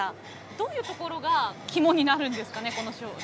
どういうところが肝になるんですか。